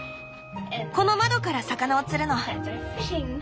この窓から魚を釣るの。